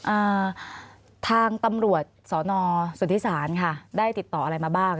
อ่าทางตำรวจสอนอสุทธิศาลค่ะได้ติดต่ออะไรมาบ้าง